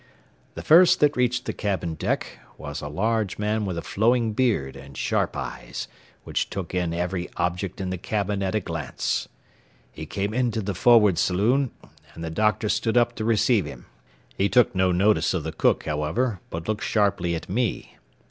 The first that reached the cabin deck was a large man with a flowing beard and sharp eyes which took in every object in the cabin at a glance. He came into the forward saloon, and the "doctor" stood up to receive him. He took no notice of the cook, however, but looked sharply at me.